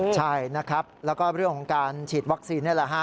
ใช่นะครับแล้วก็เรื่องของการฉีดวัคซีนนี่แหละฮะ